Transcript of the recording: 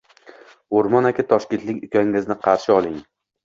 O‘rmon aka, Toshkentlik ukangizni qarshi oling.